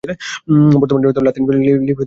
বর্তমানে লাতিন লিপি ফিরিয়ে আনার চেষ্টা চলছে।